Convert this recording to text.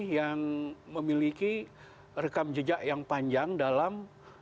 yang memiliki rekam jejak yang panjang dalam